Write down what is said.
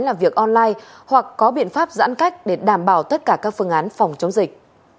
làm việc online hoặc có biện pháp giãn cách để đảm bảo tất cả các phương án phòng chống dịch